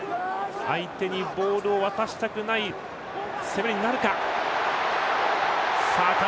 相手にボールを渡したくない攻めになるか。